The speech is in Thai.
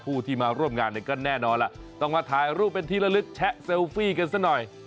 ผู้ที่มาร่วมงานเนี่ยก็แน่นอนล่ะต้องมาถ่ายรูปเป็นที่ละลึกแชะเซลฟี่กันซะหน่อย